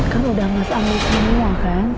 kan udah mas amit semua kan